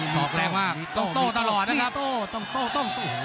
สอกแรกมากต้องโต้ตลอดนะครับ